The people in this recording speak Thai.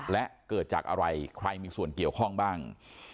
และเกิดจากอะไรใครมีส่วนเกี่ยวข้องบ้าง